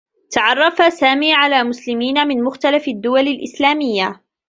تعرّف سامي على مسلمين من مختلف الدّول الإسلاميّة.